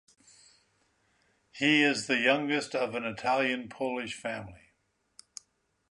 He is the youngest of an Italian-Polish family.